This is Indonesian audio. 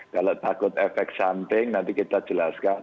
kalau takut efek samping nanti kita jelaskan